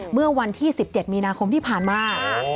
เมื่อวันที่๑๗มีนาคมที่ผ่านมา